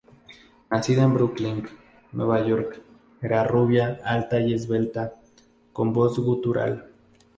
Nacida en Brooklyn, Nueva York, era rubia, alta y esbelta, con voz gutural.